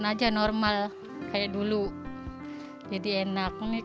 harganya turun aja normal kayak dulu jadi enak